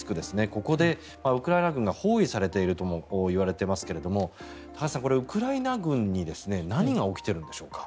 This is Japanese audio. ここでウクライナ軍が包囲されているとも言われていますが、高橋さんウクライナ軍に何が起きているんでしょうか。